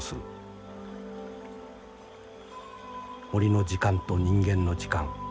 森の時間と人間の時間。